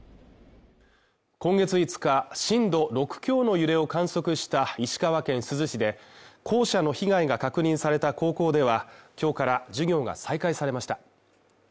今月５日、震度６強の揺れを観測した石川県珠洲市で、校舎の被害が確認された高校では、今日から授業が再開されました。